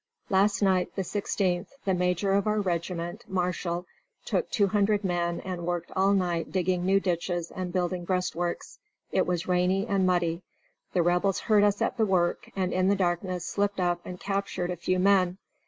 "Last night, the 16th, the major of our regiment, Marshall, took two hundred men and worked all night digging new ditches and building breastworks. It was rainy and muddy. The Rebels heard us at the work and in the darkness slipped up and captured a few men.